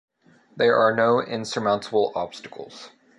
There are no insurmountable obstacles.